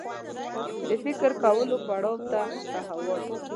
د فکر کولو پړاو ته تحول